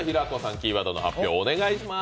キーワードの発表をお願いします。